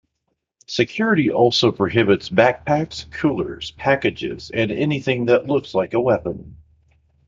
Security also prohibits backpacks, coolers, packages, and anything that looks like a weapon.